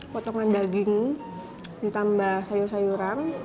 potongan daging ditambah sayur sayuran